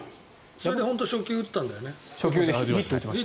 それで本当に初球、打ったんだよね。